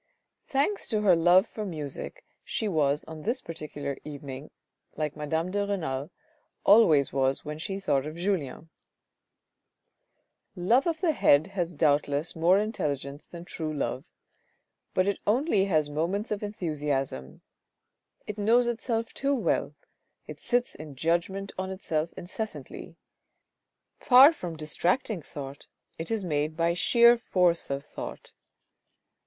Thanks to her love for music she was on this particular evening like madame de Renal always was, when she thought of Julien. Love of the head has doubtless more intelligence than true love, but it only has moments of enthusiasm. It knows itself too well, it sits in judgment on itself incessantly ; far from distracting thought it is made by sheer force of thought.